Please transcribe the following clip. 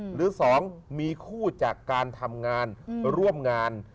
หรือ๒มีคู่จากการทำงานร่วมงาน